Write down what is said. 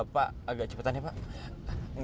pak agak cepetan ya pak